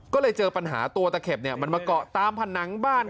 ก็เลยเจอปัญหาตัวตะเข็บมันมาเกาะตามผนังบ้าน